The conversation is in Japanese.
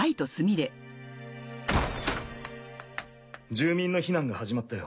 住民の避難が始まったよ。